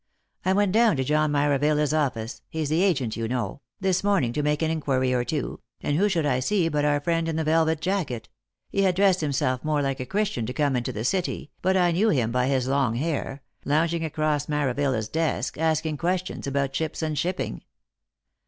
I went down to John Maravilla's office — he's the agent, you know — this morning to make an inquiry or two, and who should I see but our friend in the velvet jacket — he had dressed himself more like a Christian to come into the City, but I knew him by his long hair — loung ing across Maravilla's desk asking questions about ships and shipping.